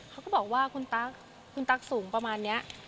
เขาก็บอกว่าคุณตั๊กสูงประมาณนี้